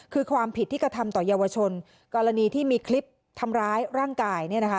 คือความผิดที่กระทำต่อเยาวชนกรณีที่มีคลิปทำร้ายร่างกายเนี่ยนะคะ